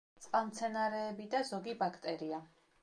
წყალმცენარეები და ზოგი ბაქტერია.